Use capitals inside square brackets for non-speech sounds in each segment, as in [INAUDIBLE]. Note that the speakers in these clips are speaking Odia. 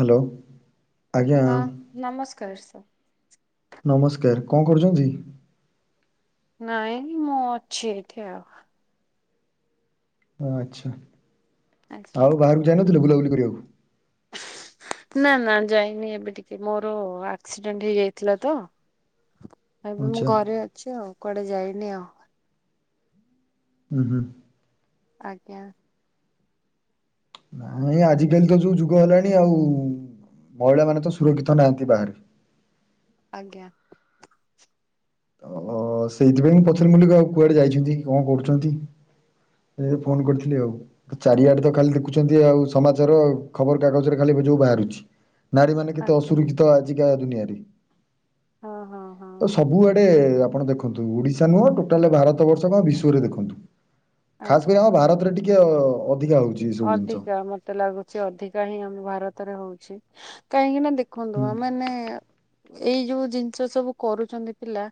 ହାଲୋ ଆଜ୍ଞା। ହଁ [INAUDIBLE] ନମସ୍କାର କଣ କରୁଛନ୍ତି? ନାଇଁ ମୁଁ ଅଛି ଏଇଠି ଆଉ। ଓ ଆଚ୍ଛା ଆଜ୍ଞା। ଆଉ ବାହାରକୁ ଯାଇନଥିଲ ବୁଲାବୁଲି କରିବାକୁ? [INAUDIBLE] ନା ନା ଯାଇନି ଏବେ ଟିକେ‌ ମୋର ଆକ୍ସିଡେଣ୍ଟ ହେଇଯାଇଥିଲା ତ ଏବେ ମୁଁ ଆଚ୍ଛା ଘରେ ଅଛି ଆଉ କୁଆଡେ ଯାଇନି ଆଉ। ହୁଁ ହୁଁ। ଆଜ୍ଞା। ନାଇ ନାଇଁ ଆଜି କାଲି ତ ଯୋଉ ଯୁଗ ହେଲାଣି ଆଉ ମହିଳା ମାନେ ତ ସୁରକ୍ଷିତ ନାହାନ୍ତି ବାହାରେ। ଆଜ୍ଞା। ଅ ସେଇଥିପାଇଁ ମୁଁ ପଛରେ ମଲିକ ଆଉ କୁଆଡେ ଯାଇଛନ୍ତି କଣ କରୁଛନ୍ତି ଫୋନ କରିଥିଲି ଆଉ ଚାରିଆଡେ ତ ଖାଲି ଦେଖୁଛନ୍ତି ଆଉ ସମାଚାର ଖବର କାଗଜରେ ଖାଲି ଯୋଉ ବାହାରୁଛି ନାରୀ ମାନେ କେତେ ଆଜ୍ଞା। ଅସୁରକ୍ଷିତ ଆଜିକା ଦୁନିଆରେ ହଁ ହଁ ହଁ ତ ହଁ ସବୁ ଆପଣ ଦେଖନ୍ତୁ ଓଡିଶା ନୁହଁ ଟୋଟାଲ ଭାରତ ବର୍ଷ କଣ ବିଶ୍ଵରେ ଦେଖନ୍ତୁ ଖାସ ଆଜ୍ଞା। କରି ଆମ ଭାରତରେ ଟିକେ ଅ ଅଧିକା ମତେ ଲାଗୁଛି ଅଧିକା ହିଁ ଆମ ଭାରତରେ ହଉଛି କାହିଁକି ନା ହୁଁ କଣ୍ଡୁଆ ମାନେ, ଏଇ ଯୋଉ ଜିନିଷ ସବୁ କରୁଛନ୍ତି ପିଲା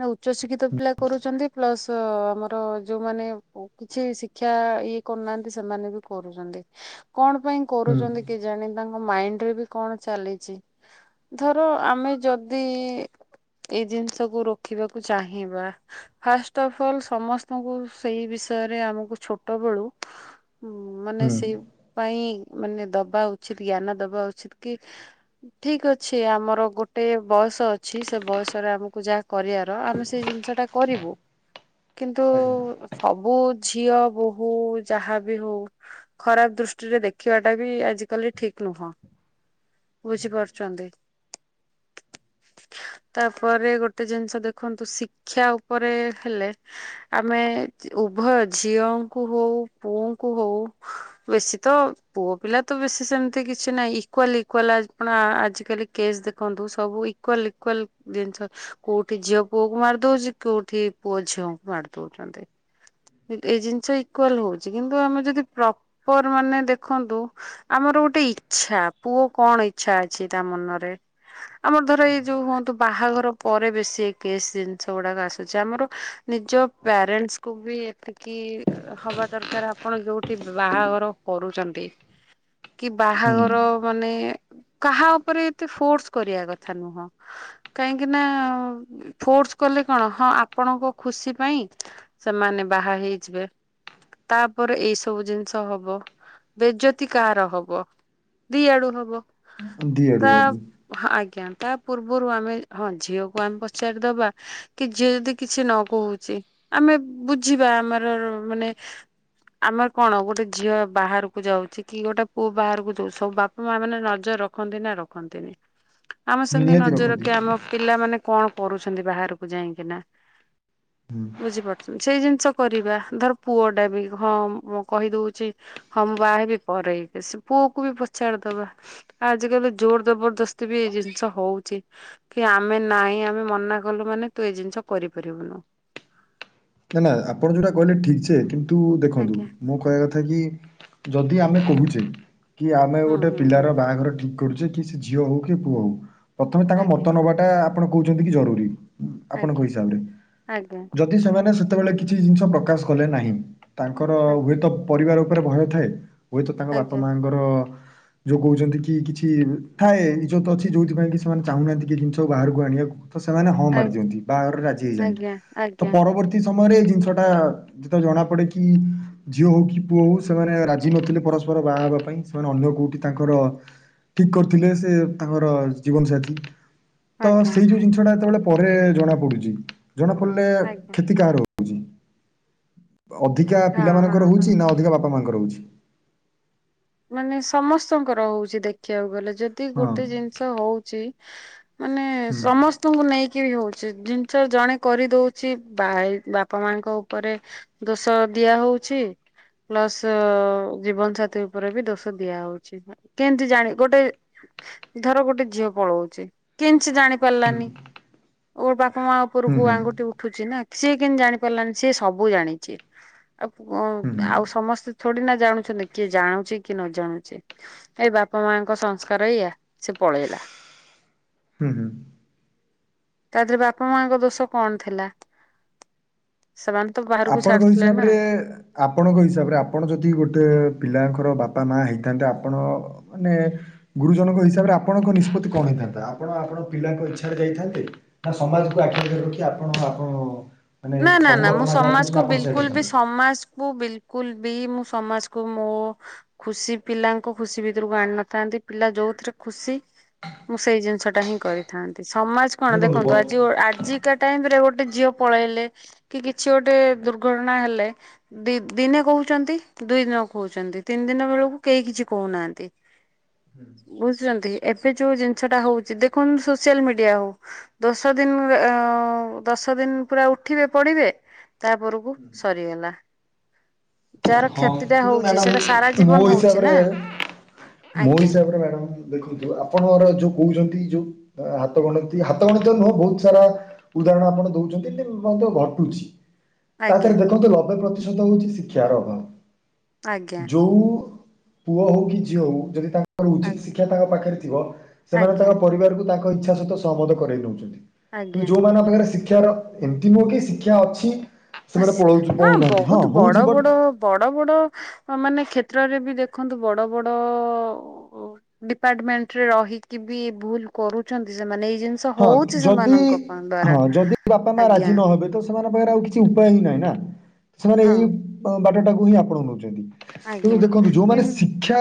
ନା ଉଚ୍ଚଶିକ୍ଷିତ ପିଲା କରୁଛନ୍ତି ପ୍ଲସ ଆମର ଯୋଉମାନେ କିଛି ଶିକ୍ଷା ଇଏ କରୁନାହାନ୍ତି ସେମାନେ ବି କରୁଛନ୍ତି କଣ ପାଇଁ ହୁଁ କରୁଛନ୍ତି କି ଜାଣି ତାଙ୍କ ମାଇଣ୍ଡ ରେ ବି କଣ ଚାଲିଛି ଧର ଆମେ ଯଦି ଏଇ ଜିନିଷକୁୁ ରୋକିବାକୁ ଚାହିଁବା ଫାଷ୍ଟ ଅଫ ଅଲ୍ ସମସ୍ତଙ୍କୁ ସେଇ ବିଷ ବିଷୟରେ ଆମକୁ ଛୋଟବେଳୁ ମାନେ ହୁଁ। ସେଇ ପାଇଁ ମାନେ ଦବା ଉଚିତ ଜ୍ଞାନ ଦବା ଉଚିତ କି ଠିକ ଅଛି ଆମର ଗୋଟେ ବୟ ବୟସ ଅଛି ସେ ବୟସରେ ଆମକୁ ଯାହା କରିବାର ଆମେ ସେଇ ଜିନିଷ ଟା କରିବୁ। କିନ୍ତୁ ସବୁ ଝିଅ ବୋହୂ ଯାହା ବି ହଉ ଖରାପ ଦୃଷ୍ଟିରେ ଦେଖିବାଟା ବି ଆଜିିକାଲି ଠିକ ନୁହଁ। ବୁଝିପାରୁଛନ୍ତି? ତାପରେ ଗୋଟେ ଜିନିଷ ଦେଖନ୍ତୁ ଶିକ୍ଷା ଉପରେ ହେଲେ ଆମେ ଉଭୟ ଝିଅଙ୍କୁ ହଉ ପୁଅଙ୍କୁ ହଉ ବେଶୀ ତ ପୁଅ ପିଲା ତ ବେଶୀ ସେମିତି କିଛି ନାହିଁ ଇକ୍ୱାଲ ଇକ୍ଵାଲ ଆଜିକାଲି ଦେଖନ୍ତୁ ସବୁ ଇକ୍ୱାଲ ଇକ୍ଵାଲ ଜିନିଷ କୋଉଠି ଝିଅ ପୁଅକୁ ମାରି ଦଉଛି କୋଉଠି ପୁଅ ଝିଅଙ୍କୁ ମାରି ଦଉଛନ୍ତି ଏଇ ଜିନିଷ ଇକ୍ଵାଲ ହଉଛି। କିନ୍ତୁ ଆମେ ଯଦି ପ୍ରପର ମାନେ ଦେଖନ୍ତୁ ଆମର ଗୋଟେ ଇଛା ପୁଅ କଣ ଇଚ୍ଛା ଅଛି ତା ମନରେ ଆମର ଧର ଏଇ ଯୋଉ ହୁଅନ୍ତୁ ବାହାଘର ପରେ ବେଶୀ ଏ କେେଶ ଜିନିଷ ଗୁଡାକ ଆସୁଛି ଆମର ନିଜ ପ୍ୟାରେଣ୍ଟସ୍ କୁ ବି ଏତିକି ହବା ଦର କାର ଆପଣ ଯୋଉଠି ବାହାଘର କରୁଛନ୍ତି କି ହୁଁ ବାହାଘର ମାନେ କାହା ଉପରେ ଏତେ ଫୋର୍ସ କରିବା କଥା ନୁହଁ କାହିଁକି ନା ଫୋର୍ସ କଲେ କଣ ହଁ ଆପଣଙ୍କ ଖୁସି ପାଇଁ ସେମାନେ ବାହା ହେଇଯିବେ। ତାପରେ ଏଇ ସବୁ ଜିନିଷ ହବ ବେଜତି କାହାର ହବ? ଦି ଆଡୁ ହବ ଦି ଆଡୁ ତା ହବ। ଆଜ୍ଞା ତା ପୂର୍ବରୁ ଆମେ ହଁ ଝିଅକୁ ଆମେ ପଚାରି ଦବା କି ଝିଅ ଯଦି କିଛି ନ କହୁଛି ଆମେ ବୁଝିବା ଆମର ମାନେ ଆମର କଣ ଗୋଟେ ଝିଅ ବାହାରକୁ ଯାଉଛି କି ଗୋଟେ ପୁଅ ବାହାରକୁ ଯାଉଛି ସବୁ ବାପା ମା ମାନେ ନ ଜ ରଖନ୍ତି ନା ରଖନ୍ତିନି? ଆମେ ସେମିତି ନିହାତି ନଜର ରଖନ୍ତି। ରଖିବା ଆମ ପିଲାମାନେେ କଣ କରୁଛନ୍ତି ବାହାରକୁ ଯାଇକିନା। ବୁଝିପାରୁଛନ୍ତି ସେଇ ଜିନିଷ କରିବା ଧର ପୁଅ ଟା ବି ହଁ ମୁଁ କହିଦଉଛି ହଁ ମୁଁ ବାହାହେବି ପରେଇକି ସେ ପୁଅକୁ ବି ପଚାର ଦବା। ଆଜି କାଲି ଜୋର ଜବରଦସ୍ତି ବି ଏଇ ଜିନିଷ ହଉଛି କି ଆମେ ନାଇଁ ଆମେ ମନା କଲୁ ମାନେ ତୁ ଏ ଜିନିଷ କରିପାରିବୁନୁ। ନା ନା ଆପଣ ଯୋଉଟା କହିଲେ ଠିକ ସେେ କିନ୍ତୁ ଦେଖନ୍ତୁ ଆଜ୍ଞା ମୁଁ କହିବା କଥା କି ଯଦି ଯଦି ଆମେ କହୁଛେ କି ଆମେ ହୁଁ ଗୋଟେ ହୁଁ ହୁଁ ପିଲାର ବାହାଘର ଠିକ କରୁଚେ କି ସେ ଝିଅ ହଉ କି ପୁଅ ହଉ ପ୍ରଥମେ ତାଙ୍କ ଆଜ୍ଞା ମତ ନବାଟା ଆପଣ କହୁଛନ୍ତି କି ଜରୁରୀ। ଆପଣଙ୍କ ଆଜ୍ଞା ହିସାବରେ, ଆଜ୍ଞା ଯଦି ସେମାନେ ସେତେବେଳେ କିଛି ଜିନିଷ ପ୍ରକାଶ କଲେ ନାହିଁ। ତାଙ୍କର ଆଜ୍ଞା ହୁଏତ ପରିବାର ଉପରେ ଭୟ ଥାଏ ହୁଏତ ତାଙ୍କ ବାପା ଆଜ୍ଞା ମାଆଙ୍କର ଯୋଉ କହୁଛନ୍ତି କି କିଛି ଥାଏ ଇଜତ ଅଛି ଯୋଉଥିପାଇ କି ସେମାନେ ଚାହୁଁନାହାନ୍ତି କି ଜିନିଷ ବାହାରକୁ ଆଣିବାକୁ। ତ ସେମାନେ ହଁ ଆ ମାରି ଦିଅନ୍ତି ବାହାଘରେ ରାଜି ହେଇଯାନ୍ତି ଆଜ୍ଞା ତ ଆଜ୍ଞା ପରବର୍ତ୍ତୀ ସମୟରେ ଏଇ ଜିନିଷ ଟା ଯେତେଳେ ଜଣା ପଡେ କି ଝିଅ ହଉ କି ପୁଅ ହଉ ସେମାନେ ରାଜି ନଥିଲେ ପରସ୍ପର ର ବାହା ହେବା ପାଇଁ ସେମାନେ ଅନ୍ୟ କୋଉଠି ତାଙ୍କର ଠିକ କରିଥିଲେ ସେ ତାଙ୍କର ଜୀବନ ସାଥି। ତ ଆଜ୍ଞା ସେଇ ଯୋଉ ଜିନିଷ ଟା ଯେତେବେଳେ ପରେ ଜଣା ପଡୁଛି ଜଣା ପଡିଲେ ଆଜ୍ଞା କ୍ଷତି କାହାର ଅଧିକା ପିଲା ହଁ ହଁ ମାନଙ୍କର ହଁ। ହଉଛି ନା ଅଧିକା ବାପା ମାଙ୍କର ହଉଛି। ହ ମାନେ ସମସ୍ତଙ୍କର ହଉଚି ଦେଖିବାକୁ ଗଲେ ଯଦି ହଁ ଗୋଟେ ଜିନିଷ ହଉଚି ମାନେ ହୁଁ ସମସ୍ତଙ୍କୁ ନେଇକି ବି ହଉଛି। ଜିନିଷ ଜଣେ କରି ଦଉଛିଇ ବାପା ମାଙ୍କ ଉପରେ ଦୋଷ ଦିଆ ହଉ ପ୍ଲସ ଜୀବନ ସା ଉପରେ ବି ଦୋଷ ଦିଆ ହଉଛି କେମିତି ଜାଣି ଗୋଟେ ଧର ଗୋଟେ ଝିଅ ପଳଉଛି କେନ୍ତି ସେ ଜାଣି ହୁଁ ପାରିଲାନି ଓ ବାପ ବାପା ମା ହୁଁ ଉପରକୁ ଆଙ୍ଗୁଠି ହୁଁ ଉଠୁଛି ନା ସିଏ କେମତି ଜାଣି ପାରିଲାନି ସି ସବୁ ଜାଣିଛି। ଆଉ କ ହୁଁ ଆଉ ସମସ୍ତେ ଛଡି ନା ଜାଣୁଛନ୍ତି କିଏ ଜାଣୁ କି ନ ଜାଣୁଛି ଏଇ ବାପା ମାଙ୍କ ସଂସ୍କାର ଏଇଆ ସେ ପଳେଇଲା। ହୁଁ ହୁଁ। ତା ଦେହରେ ବାପା ମାଙ୍କ ଦୋଷ କଣ ଥିଲା? ସେମାନେ ତ ବାହାରକୁ ଆପଣଙ୍କ ଛାଡୁଥିଲେ ନା ହିସାବରେ ଆପଣଙ୍କ ହିସାବରେ ଆପଣ ଯଦି ଗୋଟେ ପିଲାଙ୍କ ର ବାପା ମା ହେଇଥାନ୍ତେ ଆପଣ ମାନେ ଗୁରୁଜନଙ୍କ ହିସାବରେ ଆପଣଙ୍କ ନିଷ୍ପତ୍ତି କଣ ହେଇଥାନ୍ତା? ଆପଣ ଆପଣ ପିଲାଙ୍କ ଇଚ୍ଛାରେରେ ଯାଇଥାନ୍ତେ ନା ସମାଜକୁ ଆଖି ଆଗରେ ରଖି ଆପଣ ଆପଣ ମାନେ ନା ନା ସବୁ ନା ମୁଁ ଆପଣ ଯାହା କହୁଛନ୍ତି ସମାଜକୁ ସେଇଆ ବିଲକୁଲ ବି କରିଥାନ୍ତେ ସମାଜ ମୁଁ ବିଲକୁଲ ବି ମୁଁ ସମାଜକୁୁ ମୋ ଖୁସି ପିଲାଙ୍କ ଖୁସି ଭିତରକୁ ଆଣି ନଥାନ୍ତି। ପିଲା ଯୋଉଥିରେ ଖୁସି ମୁଁ ସେଇ ଜିନିଷ ଟା ହିଁ କରିଥାନ୍ତି। ସମାଜ କଣ ଦେଖନ୍ତୁ ଆଜି ଆଜିକା ଟାଇମ ରେ ଗୋଟେ ଝିଅ ପଳେଇଲେ କି କିଛି କିଛି ଗୋଟେ ଦୁର୍ଘଟଣା ହେଲେ ଦ ଦିନେ କହୁଛନ୍ତି ଦୁଇ ଦିନ କହୁଛନ୍ତି ତିନି ଦିନ ବେଳକୁ କେହି କିଛି କହୁନାହାନ୍ତି। ବୁଝୁଛନ୍ତି। ଏବେ ଯୋଉ ଜିନିଷ ଟା ହଉଛି ଦେଖନ୍ତୁ ସୋସିଆଲ ମିଡିଆ ହଉ ଦଶ ଦିନ ଦଶ ଦଶ ଦିନ ପୁରା ଉଠିବେ ପଡିବେ ତାପରକୁ ସରିଗଲା। ଯାହାର ହଁ କ୍ଷତି ଟା କିନ୍ତୁ ହଉଛି ସେଟା ସାରା ମ୍ୟାଡାମ ମୋ ଜୀବନ ହଉଛି ହିସାବରେ ନା ମୋ ଆଜ୍ଞା ହିସାବ ରେ ମ୍ୟାଡ଼ାମ ଦେଖନ୍ତୁ ଆପଣଙ୍କର ଯୋଉ କହୁଛନ୍ତି ଯୋଉ ହାତ ଗଣତି ହାତ ଗଣିତ ନୁହଁ ବହୁତ ସାରା ଉଦାହରଣ ଆପଣ ଦଉଛନ୍ତି ମଧ୍ୟ ଘଟୁଛି ଆଜ୍ଞା ତାପରେ ଦେଖନ୍ତୁ ନବେ ପ୍ରତିଶତ ହଉଛି ଶିକ୍ଷାର ଅଭାବ। ଆଜ୍ଞା ଯୋଉ ପୁଅ ହଉ କି ଝିଅ ହଉ ଯଦି ତାଙ୍କର ଉଚିତ ଆଜ୍ଞା ଶିକ୍ଷା ତାଙ୍କ ପାଖରେ ସେମାନେ ଆଜ୍ଞା ତାଙ୍କ ପରିବାରକୁ ତାଙ୍କ ଇଚ୍ଛା ସହିତ ସହମତ କରାଇ ଦଉଛନ୍ତି କିନ୍ତୁ ଆଜ୍ଞା ଯୋଉମାନେଙ୍କ ପାଖରେ ଶିକ୍ଷିତ ଶିକ୍ଷାର ଏମିତି ନୁହ କି ଶିକ୍ଷା ଅଛି ସେମାନେ ପଳଉଛୁ ହଁ ପଳଉନାହାନ୍ତି ବହୁତ ବଡ ହଉଛି ବଟ୍ ବଡ ବଡ ବଡ଼ ବଡ଼ ମାନେ କ୍ଷେତ୍ରରେ ବି ଦେଖନ୍ତୁ ବଡ଼ ବଡ଼ ଡିପାର୍ଟମେଣ୍ଟରେ ରହିକି ବି ଭୁଲ କରୁଛନ୍ତି ସେମାନେ ଜିନିଷ ହଁ ହଉଛି ଯଦି ସେମାନଙ୍କ ଦ୍ଵାରା ହଁ ଯଦି ବାପା ମା ଆଜ୍ଞା ରାଜି ନହବେ ତ ସେମାନେ ପା ଆଉ କିଛି ଉପାୟ ହିଁ ନାହିଁ ନା ସେମାନେ ହଁ ଏଇ ବାଟ ଟାକୁ ହିଁ ଆପଣ ନଉଛନ୍ତି। କିନ୍ତୁ ଆଜ୍ଞା ଦେଖନ୍ତୁ ଯୋଉମାନେ କିନ୍ ଶିକ୍ଷା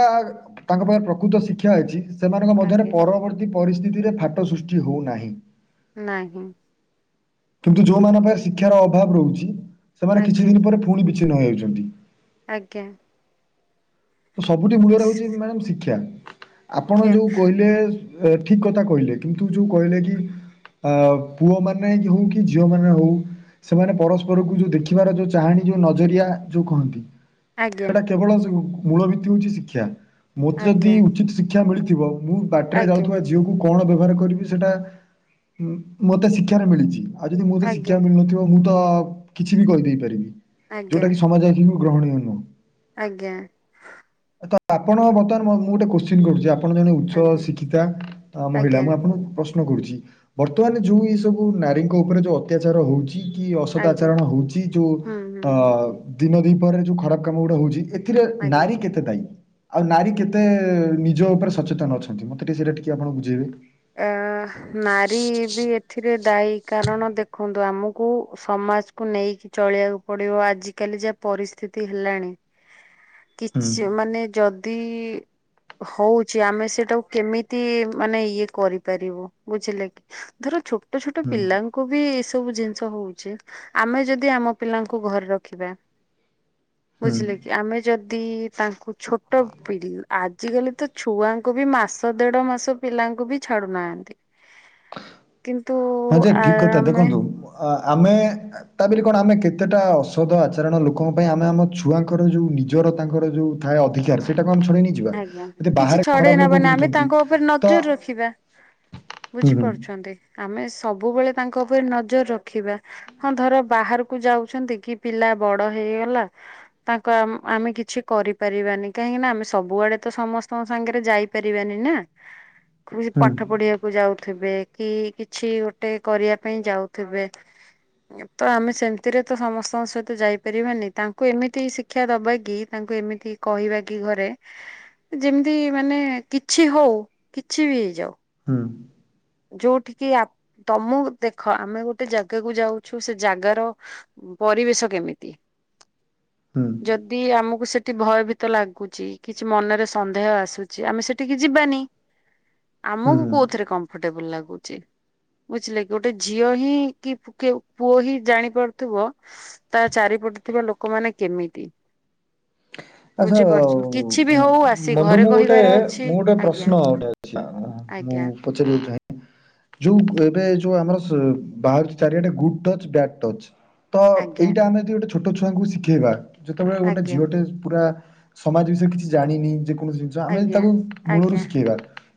ତାଙ୍କ ପାଖରେ ପ୍ରକୃତ ଶିକ୍ଷା ଅଛି ସେମାନଙ୍କ ମଧ୍ୟରେ ଆଜ୍ଞା ପରବର୍ତ୍ତୀ ପରିସ୍ଥିତିରେ ଫାଟ ସୃଷ୍ଟି ହଉନାହିଁ। ନାହିଁ। କିନ୍ତୁ ଯୋଉମାନଙ୍କ ଶିକ୍ଷାର ଅଭାବ ରହୁଛି ସେମାନେ କିଛି ଆଜ୍ଞା ଦିନ ପରେ ପୁଣି ବିଚ୍ଛିନ୍ନ ହେଯାଉଛନ୍ତି। ଆଜ୍ଞା। ତ ସବୁଠି ମୂଳରେ ହେଉଛି ମ୍ୟାଡ଼ମ୍ ଶିକ୍ଷା ଆପଣ ଶିକ୍ଷା ଯେଉଁ କହିଲେ ଠିକ କଥା କହିଲେ କିନ୍ତୁ ଯୋଉ କହିଲେ କି ଅ ପୁଅ ମାନେ ହଉ କି ଝିଅ ମାନେ ହଉ ସେମାନେ ପରସ୍ପରକୁ ଯୋଉ ଦେଖିବାର ଯୋଉ ଚାହାଣୀ ଯୋଉ ନଜରିଆ ଯୋଉ କହନ୍ତି ଆଜ୍ଞା ସେଇଟା କେବଳ ମୂଳ ଭିତ୍ତି ହଉଛି ଶିକ୍ଷା ମତେ ଯଦି ଆଜ୍ଞା ଉଚିତ ଶିକ୍ଷା ମିଳିଥିବ ମୁଁ ବାଟିରେ ଆଜ୍ଞା ଯାଉଥିବା ଝିଅକୁ କଣ ବ୍ୟବହାର କରିବି ସେଇଟା ମତେ ଶିକ୍ଷାରେ ମିଳିଛି ଆଉ ଯଦି ମୋତେ ଶିକ୍ଷା ଆଜ୍ଞା ମିଳୁନଥିବ ମୁଁ ତ କିଛି ବି କରିଦେଇ ପାରିବି ଆଜ୍ଞା ଯୋଉଟା କି ସମାଜ ଆଖି ଗ୍ରହନିୟ ନୁହ। ଆଜ୍ଞା। ତ ଆପଣ ବର୍ତ୍ତମାନ ମୁଁ ମୁଁ ଗୋଟେ କୋଶ୍ଚିନ୍ କରୁଛି? ଆପ ଆପଣ ଜଣେ ଉଚ୍ଚ ଆଜ୍ଞା ଶିକ୍ଷିତା ମହିଳା ଆଜ୍ଞା ମୁଁ ଆପଣଙ୍କୁ ପ୍ରଶ୍ନ କରୁଚି? ବର୍ତ୍ତମାନ ଯୋଉ ଏଇ ସବୁ ନାରୀଙ୍କ ଉପରେ ଯୋଉ ଅତ୍ୟାଚାର ହଉଛି କି ଅସଦା ଆଜ୍ଞା ଆଚାରଣ ହଉଛି, ଯୋଉ ହୁଁ ହୁଁ ଅ ହୁଁ ହୁଁ ଦିନ ଦି ପହରରେ ଯୋଉ ଖରାପ କାମ ଗୁଡା ହଉଛି ଏଥି ଆଜ୍ଞା ନାରୀ କେତେ ଦାୟୀ? ଆଉ ନାରୀ କେତେ ନିଜ ଉପରେ ସଚେତନ ଅଛନ୍ତି। ମତେ ଟିକେ ସେଇଟା ଟିକେ ଆପଣ ବୁଝେଇବେ। ଆ ନାରୀ ବି ଏଥିରେ ଦାୟୀ। କାରଣ ଦେଖନ୍ତୁ ଆମକୁ ସମାଜକୁୁ ନେଇକି ଚଳିବାକୁ ପଡିବ ଆଜିକାଲି ଯେ ପରିସ୍ଥିତି ହେଲାଣି ହୁଁ କିଛି ମାନେ ଯଦି ହଉଚି ଆମେ ସେଟାକୁ କେମିତି ମାନେ ଇଏ କରିପାରିବୁ ବୁଝିଲେ କି? ଧର ଛୋଟ ଛୋଟ ହୁଁ ପିଲାଙ୍କୁ ବି ସବୁ ଜିନିଷ ହଉଛି ଆମେ ଯଦି ଆମ ପିଲାଙ୍କୁ ଘରେ ରଖିବା ହୁଁ ବୁଝିଲେ କି ଆମେ ଯଦି ତାଙ୍କୁ ଛୋଟ ପିଢ଼ି। ଆଜିକାଲି ତ ଛୁଆଙ୍କୁ ବି ମାସ ଦେଢ ମାସ ପିଲାଙ୍କୁ ବି ଛାଡୁନାହାଁନ୍ତି। କିନ୍ତୁ ହଁ ଯେ ଆ ଠିକ୍ କଥା ଆମେ ଦେଖନ୍ତୁ ଆ ଆମେ ତା ବିଲି କଣ ଆମେ କେତେଟା ଅସଦ ଆଚରଣ ଲୋକଙ୍କ ପାଇଁ ଆମେ ଆମ ଛୁଆଙ୍କର ଯୋଉ ନିଜ ର ତାଙ୍କର ଯୋଉ ଥାଏ ଅଧିକାର ସେଇଟା ଆଜ୍ଞା କିଛି ଛଡେଇ ଲୋକ ନବାନି। ଆମେ ବୁଲୁଛନ୍ତି ତାଙ୍କ ଉପରେ ତ ନଜର ରଖିବା। ହୁଁ ହୁଁ ବୁଝିପାରୁଛନ୍ତି ଆମେ ସବୁବେଳେ ତାଙ୍କ ଉପରେ ନଜର ରଖିବା। ହଁ ଧର ବାହାରକୁ ଯାଉଛନ୍ତି କି ପିଲା ବଡ ହେଇ ହେଇଗଲା ତାଙ୍କ ଆମ ଆମେ କିଛି କରିପାରିବାନି କାହିଁକି ନା ଆମେ ସବୁଆଡେ ତ ସମସ୍ତଙ୍କ ସାଙ୍ଗରେ ଯାଇପାରିବାନି ନା। ହୁଁ ପାଠ ପଢିବାକୁ ଯାଉ ଥିବେ, କି କିଛି ଗୋଟେ କରିବା ପାଇଁ ଯାଉଥିବେ ତ ଆମେ ସେମିତିରେ ତ ସମସ୍ତଙ୍କ ସହିତ ଯାଇପାରିବାନି, ତାଙ୍କୁ ଏମିତି ଶିକ୍ଷା ଦବା କି ତାଙ୍କୁ ଏମିତି କହିବା କି ଘରେ ଯେମିତି ମାନେ କିଛି ହଉ କିଛି ବି ହେଇଯାଉ ହୁଁ। ଯୋଉଠିକି ଆପ ତମକୁ ଦେଖ ଆମେ ଗୋଟେ ଜାଗାକୁ ଯାଉଛୁ ସେ ଜାଗାର ପରିବେଶ କେମିତି? ହୁଁ ଯଦି ଆମକୁ ସେ ଠି ଭୟଭୀତ ଲାଗୁଛି, କିଛି ମନରେ ସନ୍ଦେହ ଆସୁଚି, ଆମେ ସେଠିକି ଯିବାନି। ହୁଁ ଆମକୁ ହୁଁ କୋଉଥିରେ କମ୍ଫର୍ଟେବଲ ଲାଗୁଚି ବୁଝିଲେ କି ଗୋଟେ ଝିଅ ହିଁ କି-କି-ପୁଅ ହିଁ ଜାଣିପାରୁଥିବ ତା ଚାରି ପଟେ ଥିବା ଲୋକମାନେ କେମିତି? ଆଚ୍ଛା ବୁଝିପାରୁଛନ୍ତି କିଛି ବି ହଉ ଆସି ବନ୍ଧୁ ଘରେ ମୁଁ ଗୋଟେ କହିବାର ଅଛି ମୁଁ ଗୋଟେ ଆଜ୍ଞା ପ୍ରଶ୍ନ ଗୋଟେ ଅଛି ମୁଁ ଆଜ୍ଞା ପଚାରିବାକୁ ଚାହେଁ? ଯୋଉ ଏବେ ଯୋଉ ଆମର ବାହାରୁଛି ଚାରିଆଡେ ଗୁଡ୍ ଟଚ୍ ବ୍ୟାଡ ଟଚ୍ ତ ଆଜ୍ଞା ଏଇଟା ଆମେ ଯଦି ଗୋଟେ ଛୋଟ ଛୁଆଙ୍କୁ ଶିଖେଇବା, ଯେତେବେଳେ ଗୋଟେ ଆଜ୍ଞା ଝିଅଟେ ପୁରା ସମାଜ ବିଷୟରେ କିଛି ଜାଣିନି ଯେ କୌଣସି ଜିନିଷ ଆମେ ଯଦି ଆଜ୍ଞା ତାକୁ ମୂଳରୁ ଆଜ୍ଞା ଶିଖେଇବା,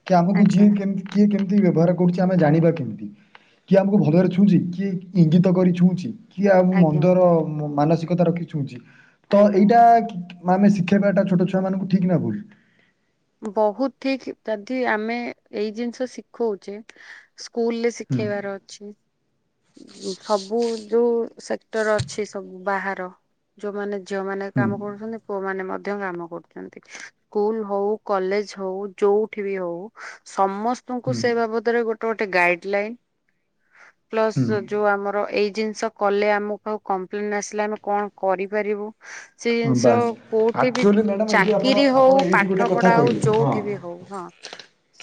ଯେ ଆମକୁ ଯିଏ ଆଜ୍ଞା କେମ କିଏ କେମ୍ ତି ବ୍ୟବହାର କରୁଛି ଆମେ ଜାଣିବା କେମିତି? କିଏ ଆମକୁ ଭଲରେ ଛୁଉଁଛି, କିଏ ଇଙ୍ଗିତ କରି ଛୁଉଁଛି କି ଆଉ ଆଜ୍ଞା ଆଜ୍ଞା ମନ୍ଦର ମାନସିକତା ରଖି ଛୁଇଁଛି ତ ଆଜ୍ଞା ଏଇଟା କି-କି ଆମେ ଶିଖେଇବାଟା ଛୋଟ ଛୁଆ ମାନଙ୍କୁ ଠିକ ନା ଭୁଲ। ବହୁତ ଠିକ ଯଦି ଆମେ ଏଇ ଜିନିଷ ଶିଖଉଚେ ସ୍କୁଲରେ ହୁଁ ଶିଖେଇବାର ଅଛି। ସବୁ ଯୋଉ ସେକ୍ଟର ଅଛି, ସବୁ ବାହାର ଯୋଉମାନେ ଝିଅ ମାନେ ବି ହୁଁ କାମ କରୁଛନ୍ତି ପୁଅମାନେ ମ ଧ୍ୟ କାମ କରୁଚନ୍ତି। ସ୍କୁଲ ହଉ, କଲେଜ ହଉ ଯୋଉଠି ବି ହଉ ସମସ୍ତଙ୍କୁ ହୁଁ ସେ ବାବଦରେ ଗୋଟେ ଗୋଟେ ଗାଇଡ ଲାଇନ୍ ହୁଁ। ପ୍ଲସ ଯୋଉ ଆମର ଏଇ ଜିନିଷ କଲେ ଆମକୁ ଆଉ କମ୍ପ୍ଲେନ ଆସିଲେ ଆମେ କଣ କରିପାରିବୁ ସେଇ ହଁ ଜିନିଷ ବାସ୍ କୋଉଠି ବି ଆକ୍ଚୁଆଲି ମ୍ୟାଡ଼ାମ ଏଇଠି ଆପଣ ଚାକିରୀ ଆପଣ ହଉ, ଏଇଠି ଗୋଟେ କଥା ପାଠପଢା ହଉ, କହିଲେ ହଁ ଯୋଉଠି ବି ହଉ ହଁ।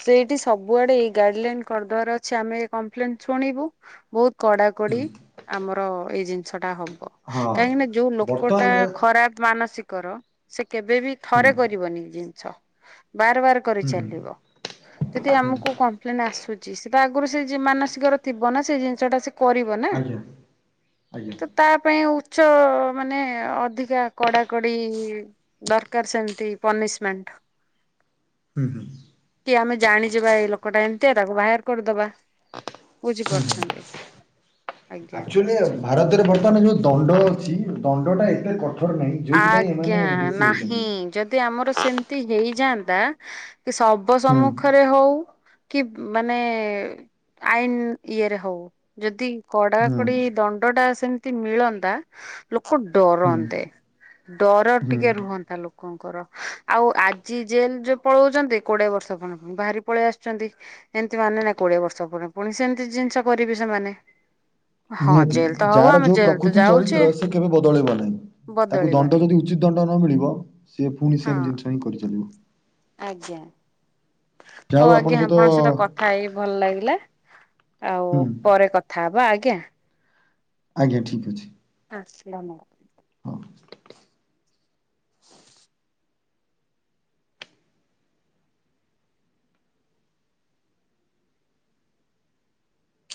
ସେଇଠି ସବୁଆଡେ ଏଇ ଗାଇଡ୍ ଲାଇନ୍ କରିଦବାର ଅଛି ଆମେ କମ୍ପ୍ଲେନ୍ ଶୁଣିବୁ ବୋହୁ କଡାକଡି ଆମର ଏଇ ଜିନିଷଟା ହ ବ ହଁ କାହିଁକିନା ଯୋଉ ଲୋକଟା ବର୍ତ୍ତମାନ ଖରାପ ମାନସିକର ସେ କେବେ ବିି ହୁଁ ଥରେ କରିବନି ଏ ଜିନିଷ। ବାରବାର ହୁଁ କରିଚାଲିବ ଯଦି ହୁଁ ଆମକୁ କମ୍ପ୍ଲେନ୍ ଆସୁ ଚି ସେଟା ଆଗରୁ ସେଇ ଯିଏ ମାନସିକର ଥିବନା ସେଇ ଜିନିଷଟା ସେ କରିବନା ଆଜ୍ଞା ଆଜ୍ଞା ତ ତା ପାଇଁ ଆଉ ଚଅ ମାନେ ଅଧିକା କଡାକଡି ଦରକାର ସେମତି ପନିଶମେଣ୍ଟ୍। ହ। ହୁଁ ହୁଁ। କି ଆମେ ଜାଣିଯିବା ଏଇ ଲୋକଟା ଏମତି ତାକୁ ବାହାର କରିଦବା ବୁଝିପାରୁଛନ୍ତି। ଆଜ୍ଞା। ଆକଚୁଲି ଭାରତରେ ବର୍ତ୍ତମାନ ଯୋଉ ଦଣ୍ଡ ଅଛି ଦଣ୍ଡଟା ଏତେ କଠ ଆଜ୍ଞା ନାହିଁ ଯଦି ଆମର ସେମତି ହେଇ ଯାଆନ୍ତା କି ଶବ ହୁଁ ସମ୍ମୁଖରେ ହୋଉ କି ମାନେ ଆଇନ ଇଏରେ ହୋଉ ଯଦି ହୁଁ କଡାକଡି ଦଣ୍ଡଟା ସେମତି ମିଳନ୍ତା ଲୋକ ହୁଁ ଡରନ୍ତେ। ଡର ହୁଁ ଟିକେ ରୁହନ୍ତା ଲୋକଙ୍କର ଆଉ ଆଜି ଜେଲ ଯୋଉ ପଳୋଉଚନ୍ତି କୋଡିଏ ବର୍ଷ ପୁନେ ପୁଣି ବାହାରି ପଳେଇ ଆସଚନ୍ତି ଏମତି ବାହାରନେ ନା କୋଡିଏ ବର୍ଷ ପରେ ପୁଣି ସେମତି ଜିନଷ କରିବେ ସେମାନେ। ହ। ନିହାତି ଯାହାର ଯୋଉ ପ୍ରକୃତି ଯାଉଛେ ଚରିତ୍ର ସେ କେବେ ବଦଳେଇବ ନାହିଁ। ତାକୁ ଦଣ୍ଡ ବଦଳିବନି ଯଦି ଉଚିତ ଦଣ୍ଡ ନ ମିଳିବ ସିଏ ଫୁଣି ହଁ ସେମ୍ ଜିନିଷ ହିଁ କରିଚାଲିବ। ଆଜ୍ଞା। ହୋଉ ଆଜ୍ଞା ଆପଣଙ୍କ ସହିତ କଥାହେଇ ଭଲଲାଗିଲା ଆଉ ହୁଁ ପରେ କଥା ହବା ଆଜ୍ଞା। ଆଜ୍ଞା ଠିକ୍ ଅଛି। ଆସିଲା ମୋ କତିକି। ହଁ।